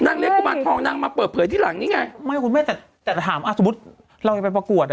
นางเล่นกุมารทองนางมาเปิดเผยที่หลังนี่ไงไม่คุณแม่แต่ถามอ่าสมมติเราจะไปประกวด